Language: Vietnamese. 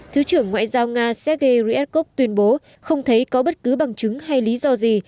thứ trưởng ngoại giao nga sergei ryevkov tuyên bố không thấy có bất cứ bằng chứng hay lý do gì